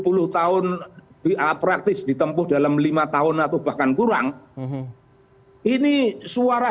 puluh tahun diapraktis ditempuh dalam lima tahun atau bahkan kurang ini suara struktural